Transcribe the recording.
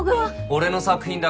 俺の作品だ。